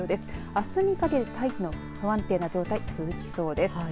あすにかけて大気の不安定な状態続きそうです。